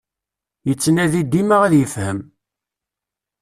Yettnadi dima ad yefhem.